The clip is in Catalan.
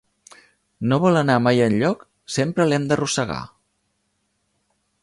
No vol anar mai enlloc, sempre l'hem d'arrossegar.